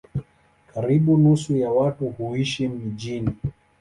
Karibu nusu ya watu huishi mijini.